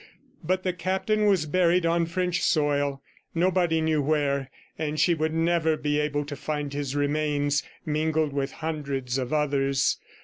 But the Captain was buried on French soil, nobody knew where, and she would never be able to find his remains, mingled with hundreds of others.